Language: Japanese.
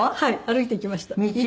歩いていきました。